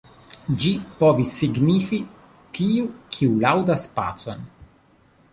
Ĝi povis signifi: "tiu, kiu laŭdas pacon".